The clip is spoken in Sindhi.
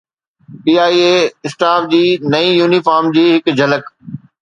پي آءِ اي اسٽاف جي نئين يونيفارم جي هڪ جھلڪ